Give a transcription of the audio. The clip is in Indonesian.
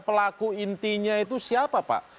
pelaku intinya itu siapa pak